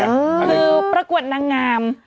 คือประกวดนางงาม